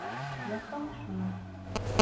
Yakala şunu!